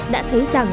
đã thấy rằng